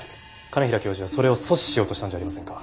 兼平教授はそれを阻止しようとしたんじゃありませんか？